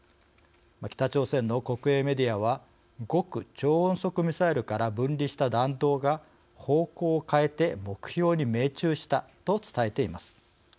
北朝鮮の国営メディアは「極超音速ミサイルから分離した弾頭が方向を変えて目標に命中した」と伝えています。